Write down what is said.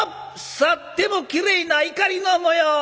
さってもきれいなイカリの模様！」。